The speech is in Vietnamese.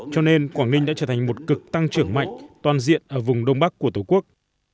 cho nên quảng ninh đã trở thành một cực tăng trưởng mạnh toàn diện ở vùng đông bắc của tổ quốc